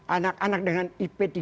anak anak dengan ip tiga enam tiga tujuh